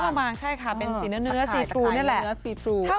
ผ้าบางใช่ค่ะเป็นสีเนื้อซีทรูเนี่ยแหละ